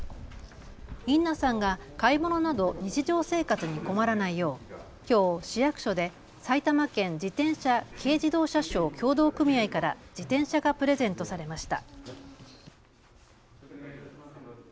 インナさんが買い物など日常生活に困らないよう、きょう市役所で埼玉県自転車軽自動車商協同組合から自転車がプレゼントされました。